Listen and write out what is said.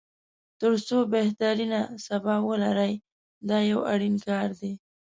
تر څو بهترینه سبا ولري دا یو اړین کار دی.